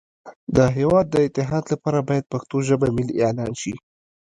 د هیواد د اتحاد لپاره باید پښتو ژبه ملی اعلان شی